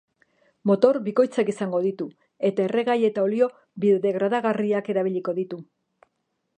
Motor bikoitzak izango ditu, eta erregai eta olio biodegradagarriak erabiliko ditu.